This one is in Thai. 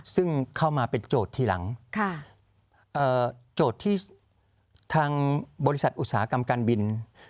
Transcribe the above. ซึ่งเข้ามาเป็นโจทย์ทีหลังโจทย์ที่ทางบริษัทอุตสาหกรรมการบิน